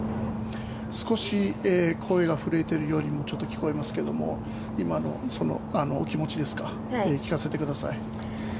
少し声が震えているようにも聞こえますが今のお気持ちを聞かせてください。